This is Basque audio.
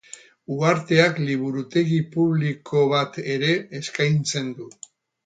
Uharteak liburutegi publiko bat ere eskaintzen du.